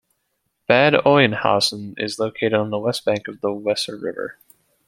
Bad Oeynhausen is located on the west bank of the Weser river.